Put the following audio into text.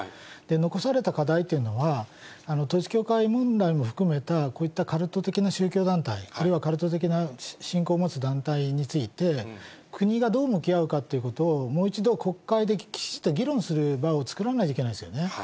残された課題というのは、統一教会問題も含めたこういったカルト的な宗教団体、あるいはカルト的な信仰を持つ団体について、国がどう向き合うかっていうことを、もう一度国会できちっと議論する場を作らないといけないですよね。